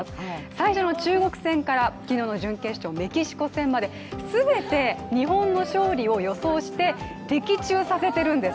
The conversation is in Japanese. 最初の中国戦から昨日の準決勝、メキシコ戦まで全て日本の勝利を予想して的中させているんです。